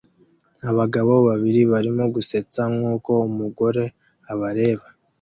Abagabo babiri barimo gusetsa nkuko umugore abareba